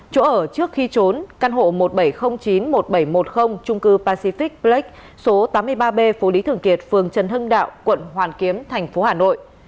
chỗ ở trước khi trốn căn hộ một bảy không chín một bảy một không trung cư pacific black số tám mươi ba b phố lý thường kiệt phường trần hưng đạo quận hoàn kiếm thành phố hà nội